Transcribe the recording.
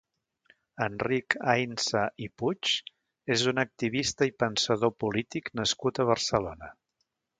Enric Ainsa i Puig és un activista i pensador polític nascut a Barcelona.